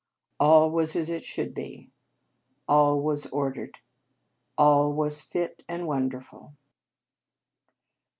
All was as it should be all was ordered all was fit and wonderful.